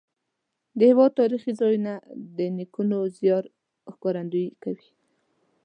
د هېواد تاریخي ځایونه د نیکونو زیار ښکارندویي کوي.